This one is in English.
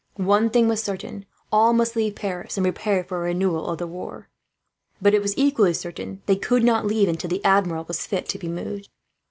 One thing was certain: all must leave Paris, and prepare for a renewal of the war. But it was equally certain they could not leave until the Admiral was fit to be moved.